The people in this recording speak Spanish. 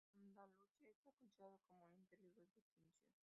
En Andalucía está considerada como 'en peligro de extinción'.